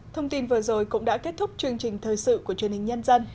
thông tin vừa rồi cũng đã kết thúc chương trình thời sự của truyền hình nhân dân